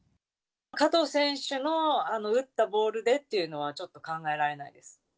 加藤選手の打ったボールでっていうのは、ちょっと考えられないです。